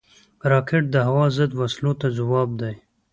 راکټ د هوا ضد وسلو ته ځواب دی